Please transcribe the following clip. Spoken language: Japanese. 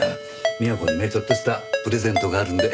美和子にねちょっとしたプレゼントがあるんで。